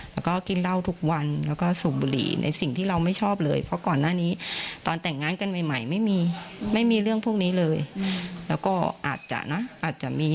พอกินเหล้าทุกวันแล้วก็สุบบุหรี่